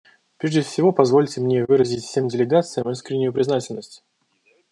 Прежде всего позвольте мне выразить всем делегациям искреннюю признательность.